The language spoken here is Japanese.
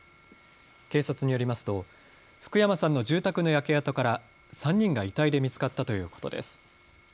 警察によりますと福山さんの住宅の焼け跡から３人が遺体で見つかったということです。